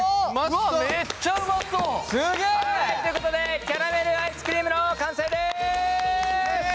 はいということでキャラメルアイスクリームの完成です！